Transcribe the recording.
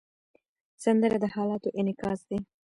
سندره د حالاتو انعکاس دی